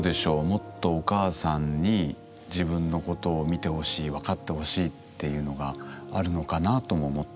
もっとお母さんに自分のことを見てほしいわかってほしいっていうのがあるのかなとも思ったんですが。